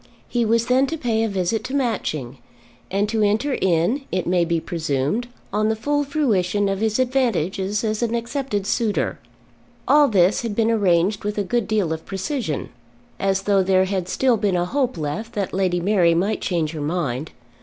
He was then to pay a visit to Matching, and to enter in, it may be presumed, on the full fruition of his advantages as accepted suitor. All this had been arranged with a good deal of precision, as though there had still been a hope left that Lady Mary might change her mind.